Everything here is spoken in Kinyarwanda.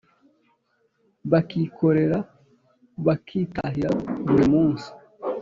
bakikorera bakitahira buri munsi